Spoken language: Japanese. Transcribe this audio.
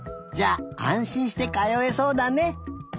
じゃああんしんしてかよえそうだね。